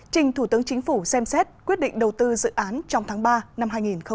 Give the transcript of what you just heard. trình thủ tướng chính phủ xem xét quyết định đầu tư dự án trong tháng ba năm hai nghìn hai mươi